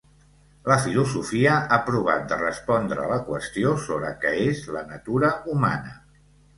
La filosofia ha provat de respondre la qüestió sobre què és la natura humana.